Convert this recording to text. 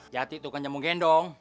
yati tuh kan jamu gendong